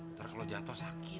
ntar kalau jatuh sakit